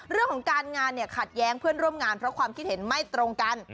เรื่องของการงานเนี่ยขัดแย้งเพื่อนร่วมงานเพราะความคิดเห็นไม่ตรงกัน